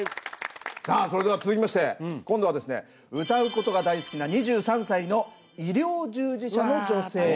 さあそれでは続きまして今度はですね歌うことが大好きな２３歳の医療従事者の女性。